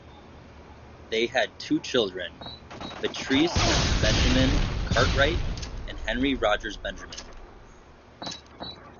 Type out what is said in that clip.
They had two children, Beatrice Benjamin Cartwright and Henry Rogers Benjamin.